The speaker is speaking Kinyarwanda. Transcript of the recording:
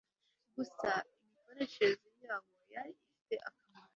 gusa imikoreshereze yabo yari ifite akamaro